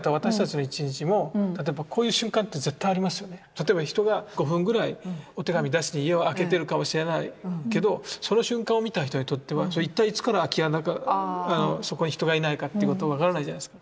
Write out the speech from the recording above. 例えば人が５分ぐらいお手紙出しに家を空けてるかもしれないけどその瞬間を見た人にとっては一体いつから空き家なのかそこに人がいないかってこと分からないじゃないですか。